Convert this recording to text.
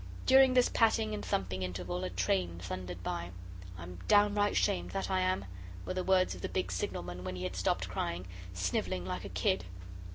During this patting and thumping interval a train thundered by. "I'm downright shamed, that I am," were the words of the big signalman when he had stopped crying; "snivelling like a kid."